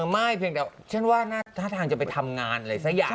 ไม่เพียงแต่ฉันว่าท่าทางจะไปทำงานอะไรสักอย่าง